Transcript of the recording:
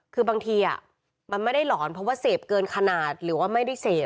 คือบางทีมันไม่ได้หลอนเพราะว่าเสพเกินขนาดหรือว่าไม่ได้เสพ